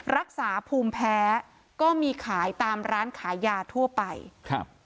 รักษาภูมิแพ้ก็มีขายตามร้านขายยาทั่วไปครับ